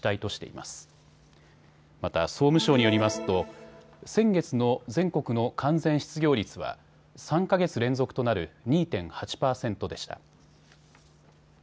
また、総務省によりますと先月の全国の完全失業率は３か月連続となる２．８％でした。